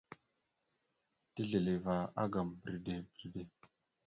Tisləváagam bredey bredey.